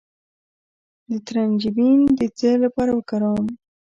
د ترنجبین د څه لپاره وکاروم؟